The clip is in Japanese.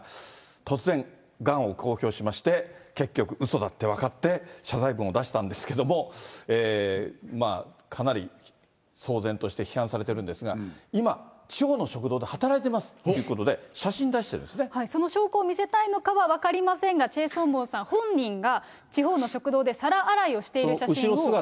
突然、がんを公表しまして、結局、うそだって分かって、謝罪文を出したんですけども、かなり騒然として、批判されてるんですが、今、地方の食堂で働いてますということで、はい、その証拠を見せたいのかは分かりませんが、チェ・ソンボンさん本人が、地方の食堂で皿洗いをしている写真を。